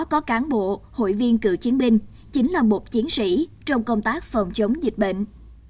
có cán bộ hội viên cựu chiến binh chính là một chiến sĩ trong công tác phòng chống dịch bệnh